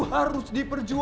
jangan ada yang mencintaianya